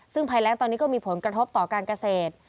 ซึ่งภัยแรงตอนนี้ก็มีผลกระทบต่อการเกษตร